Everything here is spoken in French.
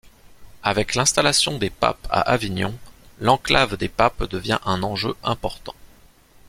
Avec l'installation des papes à Avignon, l'Enclave des papes devient un enjeu important.